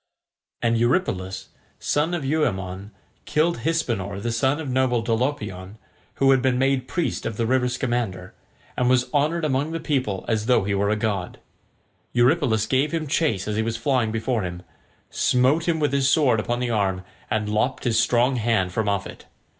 And Eurypylus, son of Euaemon, killed Hypsenor, the son of noble Dolopion, who had been made priest of the river Scamander, and was honoured among the people as though he were a god. Eurypylus gave him chase as he was flying before him, smote him with his sword upon the arm, and lopped his strong hand from off it.